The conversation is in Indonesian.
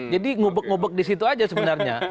jadi ngubek ngubek disitu aja sebenarnya